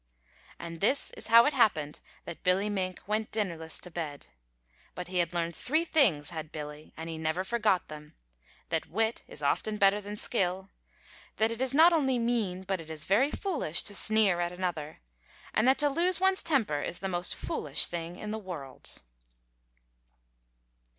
And this is how it happened that Billy Mink went dinnerless to bed. But he had learned three things, had Billy, and he never forgot them that wit is often better than skill; that it is not only mean but is very foolish to sneer at another; and that to lose one's temper is the most foolish thing in the world.